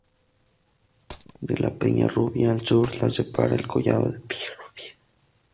De la Peñarrubia, al sur, la separa el collado de Peñarrubia.